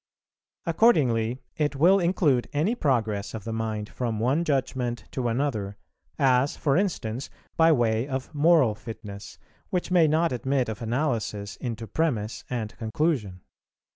Accordingly it will include any progress of the mind from one judgment to another, as, for instance, by way of moral fitness, which may not admit of analysis into premiss and conclusion.